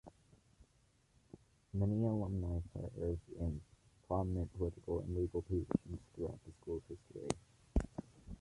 Many alumni served in prominent political and legal positions throughout the school's history.